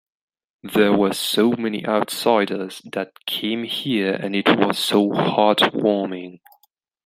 There were so many outsiders that came here and it was so heart warming.